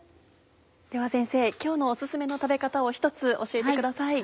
では先生今日のお薦めの食べ方を１つ教えてください。